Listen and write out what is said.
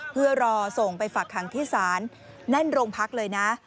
เพื่อรอส่งไปฝากคังที่ศาลแน่นโรงพักเลยนะ